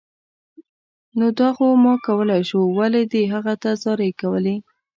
نو دا خو ما کولای شو، ولې دې هغه ته زارۍ کولې